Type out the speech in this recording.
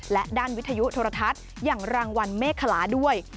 และด้านวิทยุโทรทัศน์อย่างรางวัลเมฆคลาด้วย